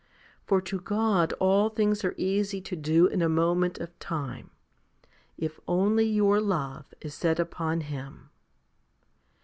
For to God all things are easy to do in a moment of time, if only your love is set upon Him.